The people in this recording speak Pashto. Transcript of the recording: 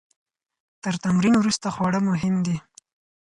تر تمرین وروسته خواړه مهم دي.